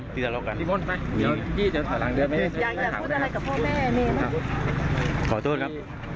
ที่สละละลดกันดิแม่ขอโทษครับ